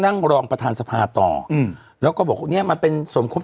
นั่งรองประธานสภาต่ออืมแล้วก็บอกเนี้ยมันเป็นสมคบ